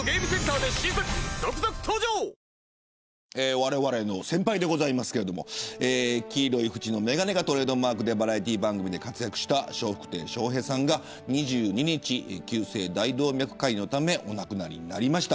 われわれの先輩ですけど黄色い縁の眼鏡がトレードマークでバラエティー番組で活躍した笑福亭笑瓶さんが２２日に急性大動脈解離のためお亡くなりになりました。